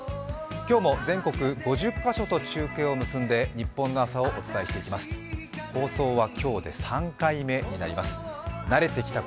今日も全国５０カ所と中継を結んで、ニッポンの朝をお伝えしていきます。